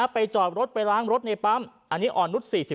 ไปจอบรถไปล้างรถในปั๊มอันนี้ออนุท๔๖